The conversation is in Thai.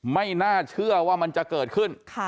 ไม่น่าเชื่อว่ามันจะเกิดขึ้น